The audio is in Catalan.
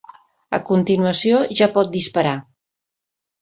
A continuació, ja pot disparar.